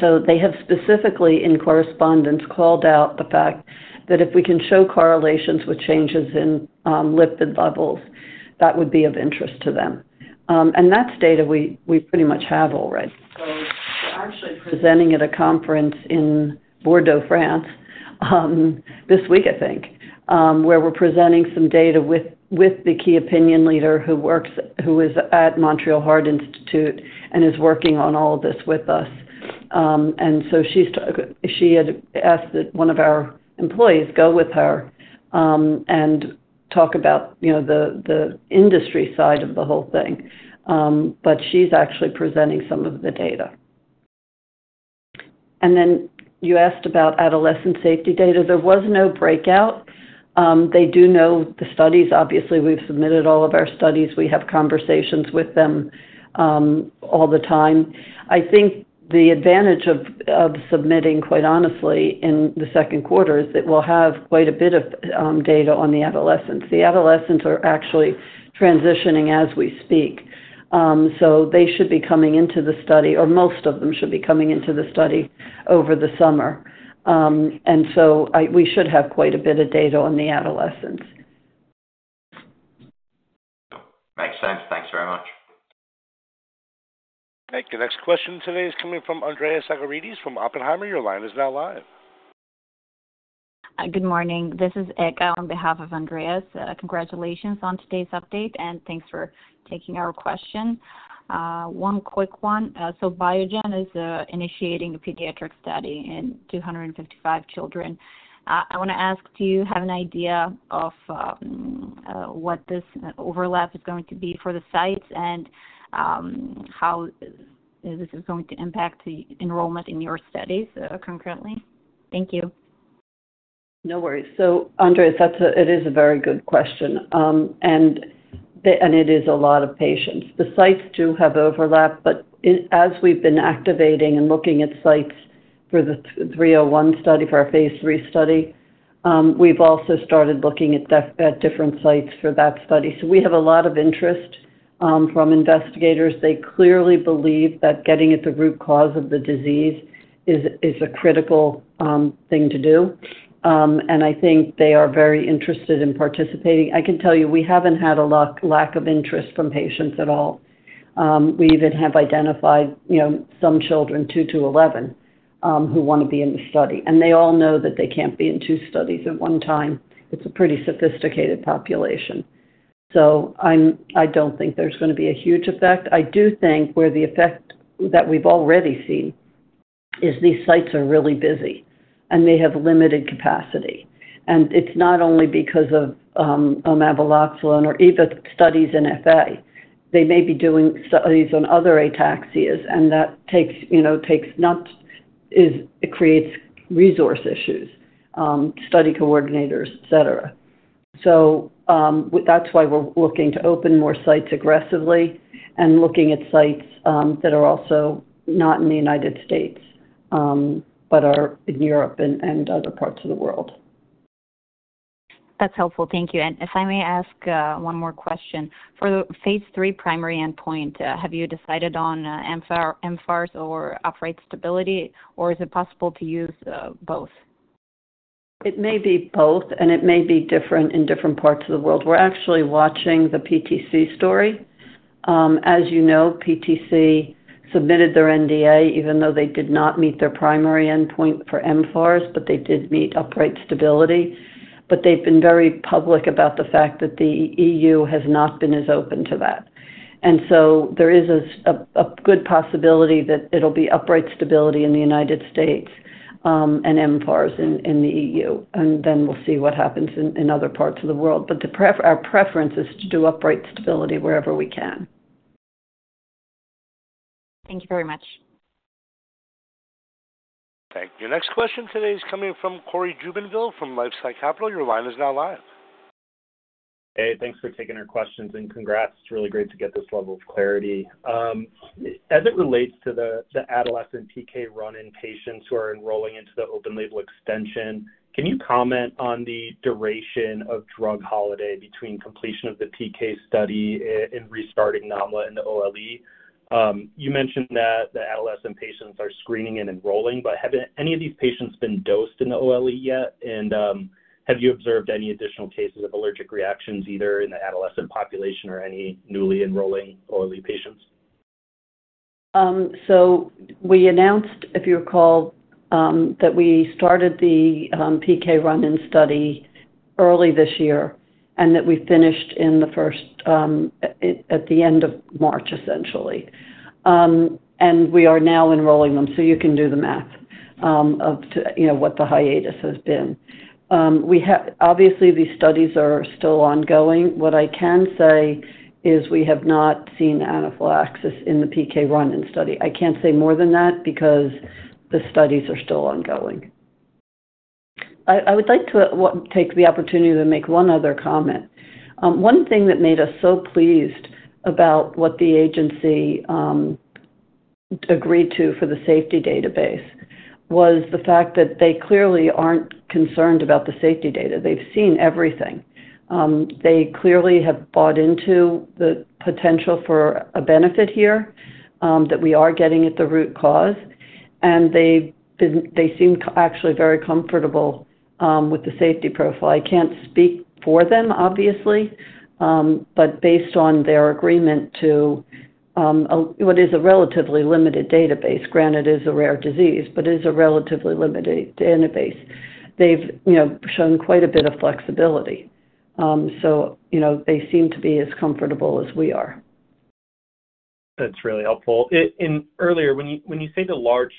They have specifically in correspondence called out the fact that if we can show correlations with changes in lipid levels, that would be of interest to them. That is data we pretty much have already. We are actually presenting at a conference in Bordeaux, France this week, I think, where we are presenting some data with the key opinion leader who is at Montreal Heart Institute and is working on all of this with us. She had asked that one of our employees go with her and talk about, you know, the industry side of the whole thing. She is actually presenting some of the data. You asked about adolescent safety data. There was no breakout. They do know the studies. Obviously, we have submitted all of our studies. We have conversations with them all the time. I think the advantage of submitting, quite honestly, in the second quarter is that we'll have quite a bit of data on the adolescents. The adolescents are actually transitioning as we speak. They should be coming into the study, or most of them should be coming into the study over the summer. We should have quite a bit of data on the adolescents. Makes sense. Thanks very much. Thank you. Next question today is coming from Andrea Sagarides from Oppenheimer. Your line is now live. Hi, good morning. This is Echo on behalf of Andrea. Congratulations on today's update, and thanks for taking our question. One quick one. Biogen is initiating a pediatric study in 255 children. I want to ask, do you have an idea of what this overlap is going to be for the sites and how this is going to impact enrollment in your studies concurrently? Thank you. No worries. Andrea, it is a very good question. It is a lot of patients. The sites do have overlap, but as we've been activating and looking at sites for the 301 study for our phase III study, we've also started looking at different sites for that study. We have a lot of interest from investigators. They clearly believe that getting at the root cause of the disease is a critical thing to do. I think they are very interested in participating. I can tell you we haven't had a lack of interest from patients at all. We even have identified, you know, some children two to eleven who want to be in the study. And they all know that they can't be in two studies at one time. It's a pretty sophisticated population. So I don't think there's going to be a huge effect. I do think where the effect that we've already seen is these sites are really busy and they have limited capacity. And it's not only because of omaveloxolone or even studies in FA. They may be doing studies on other ataxias, and that takes, you know, takes not, it creates resource issues, study coordinators, et cetera. That's why we're looking to open more sites aggressively and looking at sites that are also not in the U.S., but are in Europe and other parts of the world. That's helpful. Thank you. And if I may ask one more question. For the phase III primary endpoint, have you decided on MFARS or upright stability, or is it possible to use both? It may be both, and it may be different in different parts of the world. We're actually watching the PTC story. As you know, PTC submitted their NDA even though they did not meet their primary endpoint for MFARS, but they did meet upright stability. They have been very public about the fact that the EU has not been as open to that. There is a good possibility that it will be upright stability in the U.S. and MFARS in the EU. We will see what happens in other parts of the world. Our preference is to do upright stability wherever we can. Thank you very much. Thank you. Next question today is coming from Cory Jubinville from LifeSight Capital. Your line is now live. Hey, thanks for taking our questions, and congrats. It's really great to get this level of clarity. As it relates to the adolescent PK run-in patients who are enrolling into the open-label extension, can you comment on the duration of drug holiday between completion of the PK study and restarting Nomlabofusp in the OLE? You mentioned that the adolescent patients are screening and enrolling, but have any of these patients been dosed in the OLE yet? And have you observed any additional cases of allergic reactions either in the adolescent population or any newly enrolling OLE patients? We announced, if you recall, that we started the PK run-in study early this year and that we finished the first at the end of March, essentially. We are now enrolling them, so you can do the math of, you know, what the hiatus has been. Obviously, these studies are still ongoing. What I can say is we have not seen anaphylaxis in the PK run-in study. I can't say more than that because the studies are still ongoing. I would like to take the opportunity to make one other comment. One thing that made us so pleased about what the agency agreed to for the safety database was the fact that they clearly aren't concerned about the safety data. They've seen everything. They clearly have bought into the potential for a benefit here that we are getting at the root cause. They seem actually very comfortable with the safety profile. I can't speak for them, obviously, but based on their agreement to what is a relatively limited database, granted it is a rare disease, but it is a relatively limited database, they've, you know, shown quite a bit of flexibility. You know, they seem to be as comfortable as we are. That is really helpful. Earlier, when you say the large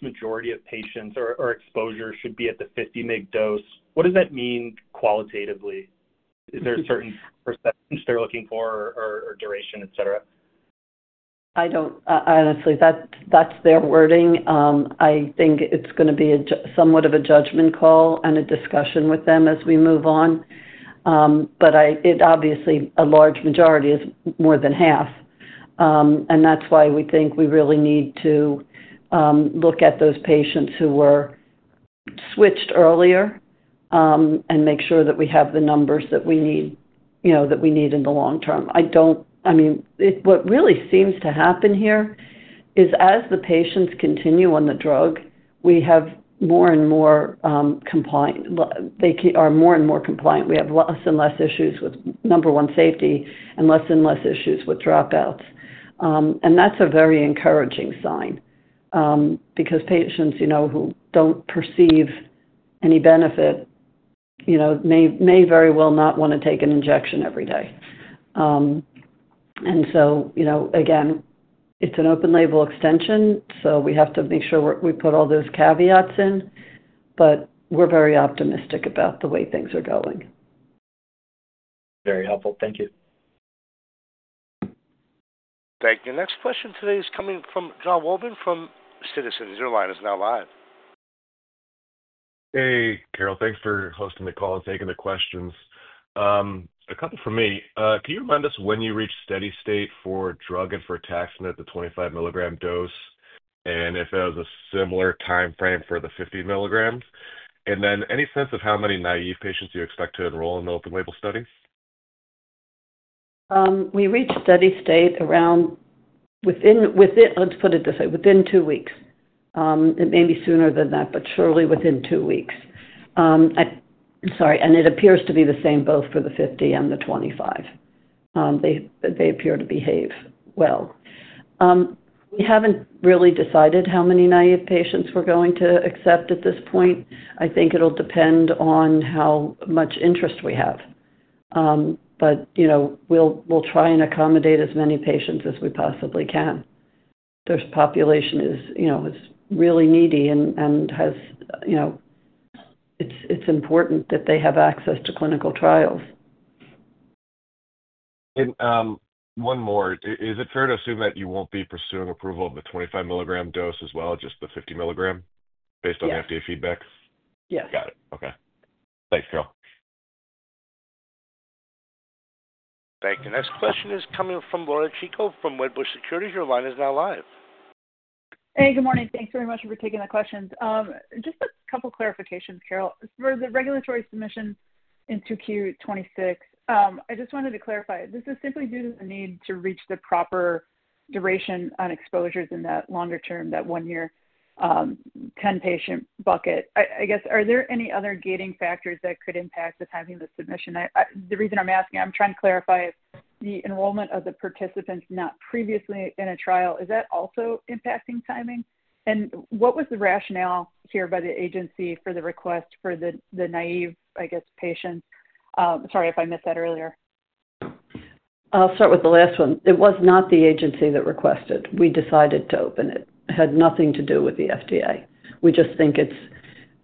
majority of patients or exposure should be at the 50 mg dose, what does that mean qualitatively? Is there a certain perception they are looking for or duration, et cetera? I do not, honestly, that is their wording. I think it is going to be somewhat of a judgment call and a discussion with them as we move on. It obviously, a large majority is more than half. That is why we think we really need to look at those patients who were switched earlier and make sure that we have the numbers that we need, you know, that we need in the long term. I do not, I mean, what really seems to happen here is as the patients continue on the drug, we have more and more compliant, they are more and more compliant. We have less and less issues with number one safety and less and less issues with dropouts. That is a very encouraging sign because patients, you know, who do not perceive any benefit, you know, may very well not want to take an injection every day. You know, again, it is an open label extension, so we have to make sure we put all those caveats in, but we are very optimistic about the way things are going. Very helpful. Thank you. Thank you. Next question today is coming from John Wolvin from Citizens. Your line is now live. Hey, Carole, thanks for hosting the call and taking the questions. A couple for me. Can you remind us when you reached steady state for drug and for frataxin at the 25 mg dose and if there was a similar timeframe for the 50 mg? Any sense of how many naive patients you expect to enroll in the open-label study? We reached steady state around, within, let's put it this way, within two weeks. It may be sooner than that, but surely within two weeks. Sorry, it appears to be the same both for the 50 and the 25. They appear to behave well. We haven't really decided how many naive patients we're going to accept at this point. I think it'll depend on how much interest we have. You know, we'll try and accommodate as many patients as we possibly can. This population is, you know, is really needy and has, you know, it's important that they have access to clinical trials. One more. Is it fair to assume that you won't be pursuing approval of the 25 mg dose as well, just the 50 mg based on the FDA feedback? Yes. Got it. Okay. Thanks, Carole. Thank you. Next question is coming from Laura Chico from Wedbush Securities. Your line is now live. Hey, good morning. Thanks very much for taking the questions. Just a couple of clarifications, Carole. For the regulatory submission in 2Q 2026, I just wanted to clarify. This is simply due to the need to reach the proper duration on exposures in that longer term, that one-year 10-patient bucket. I guess, are there any other gating factors that could impact the timing of the submission? The reason I'm asking, I'm trying to clarify if the enrollment of the participants not previously in a trial, is that also impacting timing? And what was the rationale here by the agency for the request for the naive, I guess, patients? Sorry if I missed that earlier. I'll start with the last one. It was not the agency that requested. We decided to open it. It had nothing to do with the FDA. We just think it's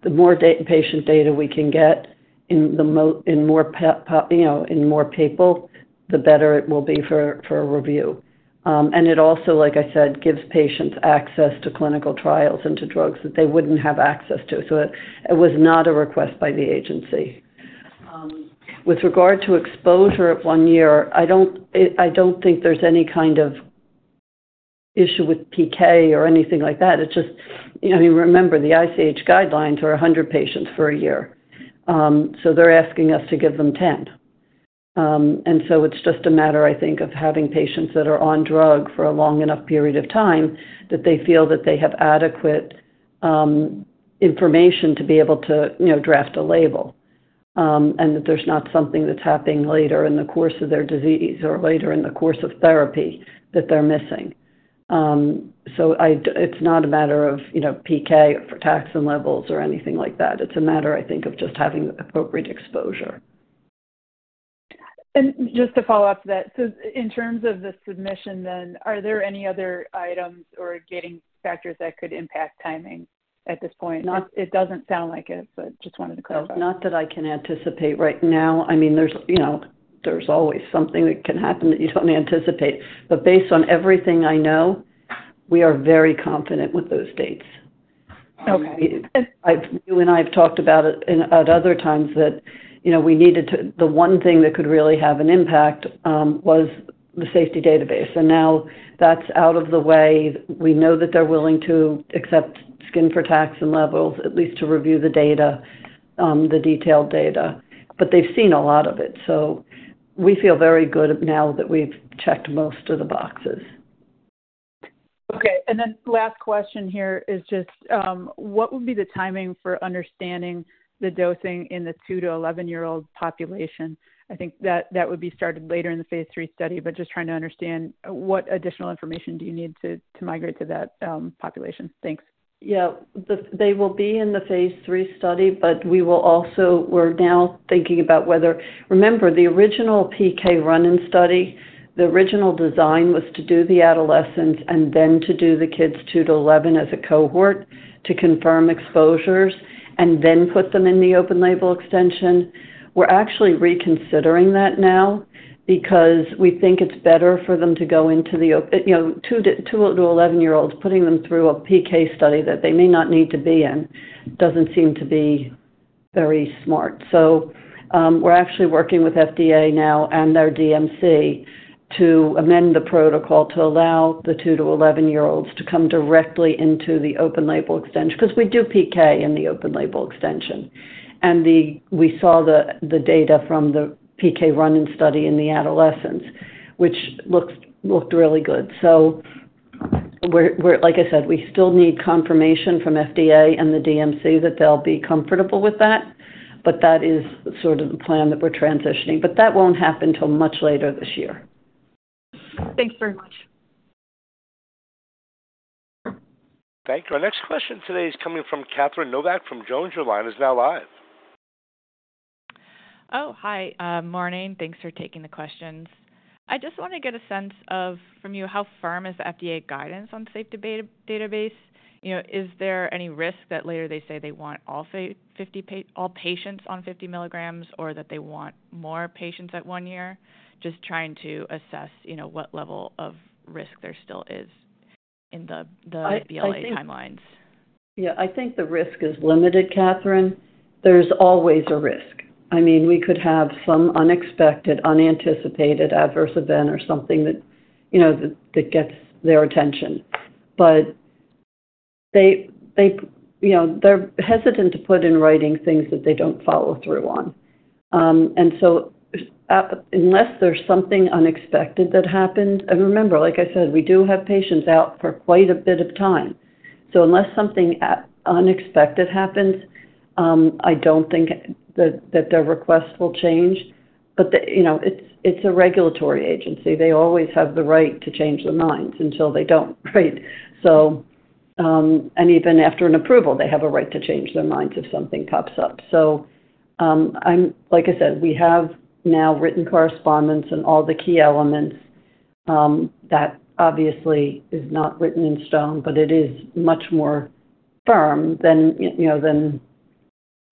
the more patient data we can get in the, you know, in more people, the better it will be for a review. It also, like I said, gives patients access to clinical trials and to drugs that they wouldn't have access to. It was not a request by the agency. With regard to exposure at one year, I do not think there is any kind of issue with PK or anything like that. It is just, I mean, remember the ICH guidelines are 100 patients for a year. They are asking us to give them 10. It is just a matter, I think, of having patients that are on drug for a long enough period of time that they feel that they have adequate information to be able to, you know, draft a label and that there is not something that is happening later in the course of their disease or later in the course of therapy that they are missing. It is not a matter of, you know, PK for frataxin levels or anything like that. It is a matter, I think, of just having appropriate exposure. Just to follow up to that, in terms of the submission then, are there any other items or gating factors that could impact timing at this point? It does not sound like it, but just wanted to clarify. Not that I can anticipate right now. I mean, there is, you know, there is always something that can happen that you do not anticipate. Based on everything I know, we are very confident with those dates. Okay. You and I have talked about it at other times that, you know, we needed to, the one thing that could really have an impact was the safety database. Now that is out of the way. We know that they are willing to accept skin frataxin levels, at least to review the data, the detailed data. They have seen a lot of it. We feel very good now that we've checked most of the boxes. Okay. Last question here is just what would be the timing for understanding the dosing in the 2 to 11-year-old population? I think that that would be started later in the phase III study, but just trying to understand what additional information do you need to migrate to that population? Thanks. Yeah. They will be in the phase III study, but we will also, we're now thinking about whether, remember the original PK run-in study, the original design was to do the adolescents and then to do the kids 2 to 11 as a cohort to confirm exposures and then put them in the open-label extension. We're actually reconsidering that now because we think it's better for them to go into the, you know, 2 to 11-year-olds, putting them through a PK study that they may not need to be in doesn't seem to be very smart. So we're actually working with FDA now and their DMC to amend the protocol to allow the 2 to 11-year-olds to come directly into the open label extension because we do PK in the open label extension. And we saw the data from the PK run-in study in the adolescents, which looked really good. So, like I said, we still need confirmation from FDA and the DMC that they'll be comfortable with that, but that is sort of the plan that we're transitioning. That won't happen until much later this year. Thanks very much. Thank you. Our next question today is coming from Catherine Novack from Jones. Your line is now live. Oh, hi, morning. Thanks for taking the questions. I just want to get a sense from you, how firm is the FDA guidance on the safety database? You know, is there any risk that later they say they want all patients on 50 mg or that they want more patients at one year? Just trying to assess, you know, what level of risk there still is in the FDA timelines. Yeah, I think the risk is limited, Catherine. There's always a risk. I mean, we could have some unexpected, unanticipated adverse event or something that, you know, that gets their attention. They, you know, they're hesitant to put in writing things that they don't follow through on. Unless there is something unexpected that happens, and remember, like I said, we do have patients out for quite a bit of time. Unless something unexpected happens, I do not think that their request will change. You know, it is a regulatory agency. They always have the right to change their minds until they do not, right? Even after an approval, they have a right to change their minds if something pops up. Like I said, we have now written correspondence and all the key elements. That obviously is not written in stone, but it is much more firm than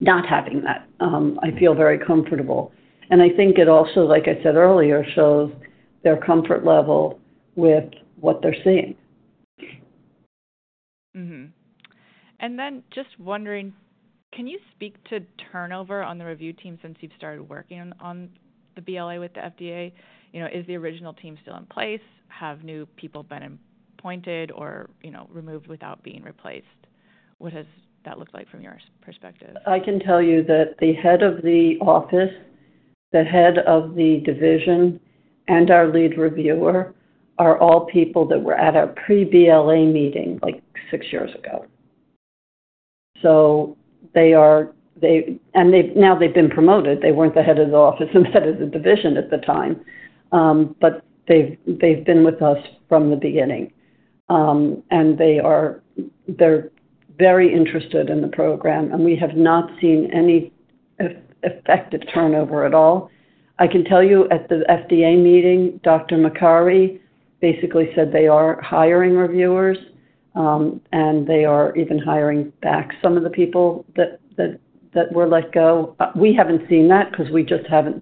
not having that. I feel very comfortable. I think it also, like I said earlier, shows their comfort level with what they are seeing. Just wondering, can you speak to turnover on the review team since you've started working on the BLA with the FDA? You know, is the original team still in place? Have new people been appointed or, you know, removed without being replaced? What has that looked like from your perspective? I can tell you that the Head of the Office, the Head of the Division, and our lead reviewer are all people that were at our pre-BLA meeting like six years ago. They are, and now they've been promoted. They were not the Head of the Office and Head of the Division at the time, but they've been with us from the beginning. They are very interested in the program, and we have not seen any effective turnover at all. I can tell you at the FDA meeting, Dr. Makari basically said they are hiring reviewers, and they are even hiring back some of the people that were let go. We have not seen that because we just have not,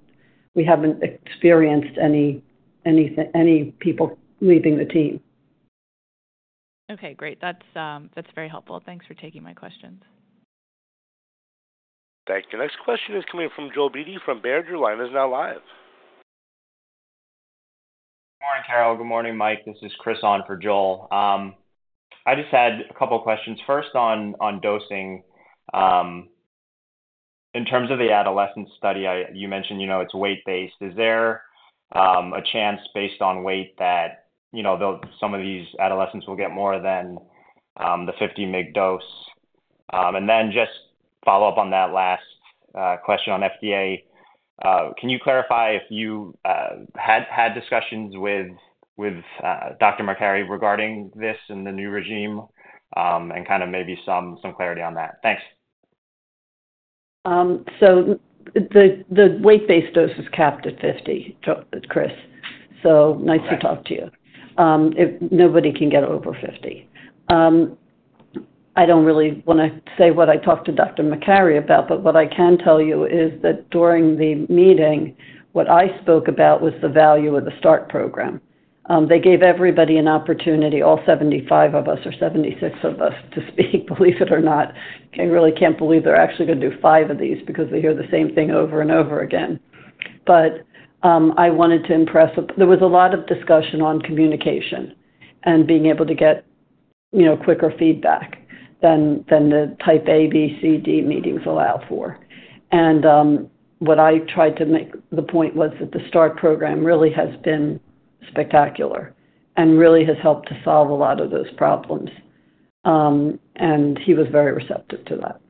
we have not experienced any people leaving the team. Okay, great. That is very helpful. Thanks for taking my questions. Thank you. Next question is coming from Joel Beatty from Baird. Your line is now live. Good morning, Carole. Good morning, Mike. This is Chris on for Joel. I just had a couple of questions. First on dosing, in terms of the adolescent study, you mentioned, you know, it is weight-based. Is there a chance based on weight that, you know, some of these adolescents will get more than the 50 mg dose? And then just follow up on that last question on FDA. Can you clarify if you had discussions with Dr. Makari regarding this and the new regime and kind of maybe some clarity on that? Thanks. The weight-based dose is capped at 50, Chris. Nice to talk to you. Nobody can get over 50. I do not really want to say what I talked to Dr. Makari about, but what I can tell you is that during the meeting, what I spoke about was the value of the START program. They gave everybody an opportunity, all 75 of us or 76 of us, to speak, believe it or not. I really cannot believe they are actually going to do five of these because they hear the same thing over and over again. I wanted to impress, there was a lot of discussion on communication and being able to get, you know, quicker feedback than the type A, B, C, D meetings allow for. What I tried to make the point was that the START program really has been spectacular and really has helped to solve a lot of those problems. He was very receptive to that.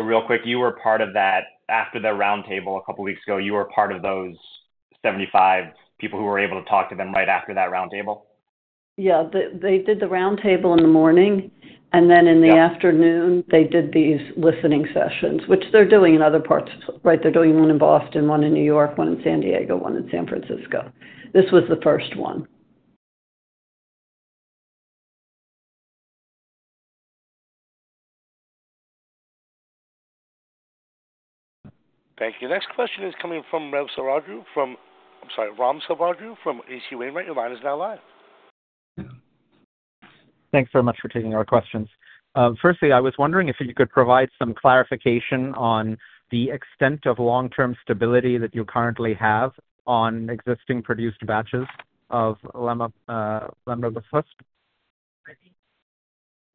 Real quick, you were part of that after the roundtable a couple of weeks ago, you were part of those 75 people who were able to talk to them right after that roundtable? Yeah. They did the roundtable in the morning, and then in the afternoon, they did these listening sessions, which they're doing in other parts, right? They're doing one in Boston, one in New York, one in San Diego, one in San Francisco. This was the first one. Thank you. Next question is coming from Ramsaraju from, I'm sorry, Raghuram Selvaraju from H.C. Wainwright. Your line is now live. Thanks very much for taking our questions. Firstly, I was wondering if you could provide some clarification on the extent of long-term stability that you currently have on existing produced batches of Nomlabofusp?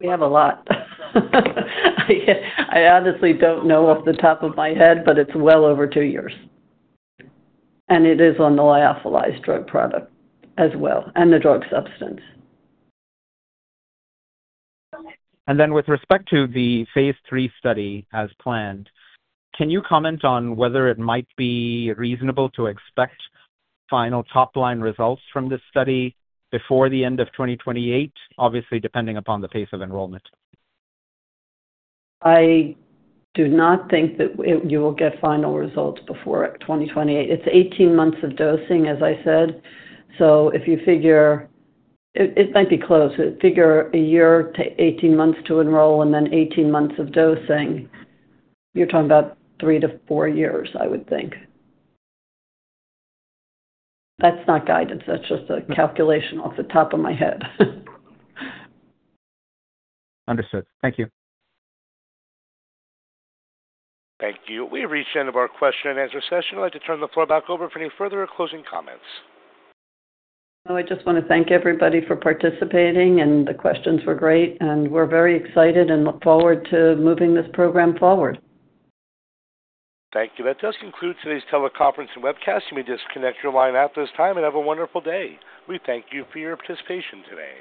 We have a lot. I honestly don't know off the top of my head, but it's well over two years. And it is on the lyophilized drug product as well and the drug substance. With respect to the phase III study as planned, can you comment on whether it might be reasonable to expect final top-line results from this study before the end of 2028, obviously depending upon the pace of enrollment? I do not think that you will get final results before 2028. It's 18 months of dosing, as I said. If you figure, it might be close. If you figure a year to 18 months to enroll and then 18 months of dosing, you're talking about three to four years, I would think. That's not guidance. That's just a calculation off the top of my head. Understood. Thank you. Thank you. We reached the end of our question and answer session. I'd like to turn the floor back over for any further closing comments. I just want to thank everybody for participating, and the questions were great, and we're very excited and look forward to moving this program forward. Thank you. That does conclude today's teleconference and webcast. You may disconnect your line at this time and have a wonderful day. We thank you for your participation today.